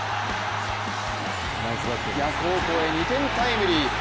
逆方向へ２点タイムリー。